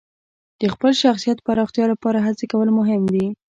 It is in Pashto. د خپل شخصیت پراختیا لپاره هڅې کول مهم دي.